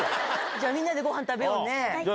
じゃあみんなでご飯食べようね。